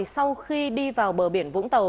sau khi đi vào bờ biển vũng tàu